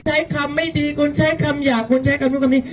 ใช้คำไม่ดีคุณใช้คำหยาบคุณใช้คำนู้นคำนี้